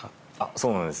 そうなんです